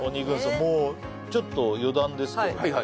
もうちょっと余談ですけどはい